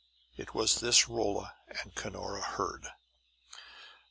It was this Rolla and Cunora heard.